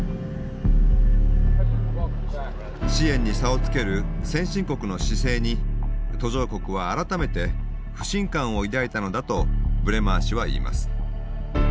支援に差をつける先進国の姿勢に途上国は改めて不信感を抱いたのだとブレマー氏は言います。